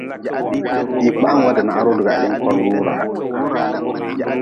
Hii kpaha-n wade na ha roodigi ha yin korgu wuraa.